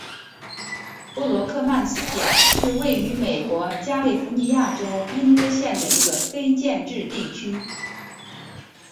布罗克曼斯角是位于美国加利福尼亚州因约县的一个非建制地区。